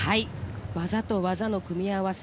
技と技の組み合わせ